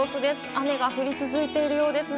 雨が降り続いているようです。